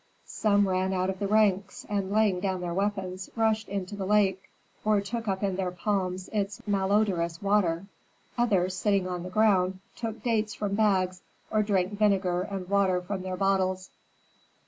Some ran out of the ranks, and laying down their weapons, rushed into the lake, or took up in their palms its malodorous water; others, sitting on the ground, took dates from bags, or drank vinegar and water from their bottles.